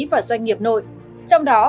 và doanh nghiệp nội trong đó